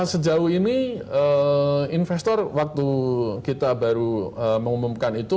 sejauh ini investor waktu kita baru mengumumkan itu